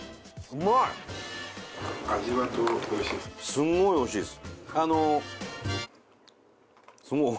すごいおいしいです。